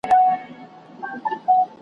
ډېر پخوا درک کړي وو